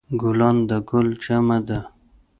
ګلان د ګل جمع ده